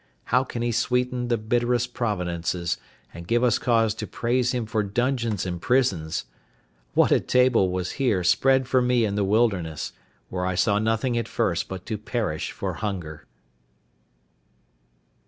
How can He sweeten the bitterest providences, and give us cause to praise Him for dungeons and prisons! What a table was here spread for me in the wilderness, where I saw nothing at first but to perish for hunger!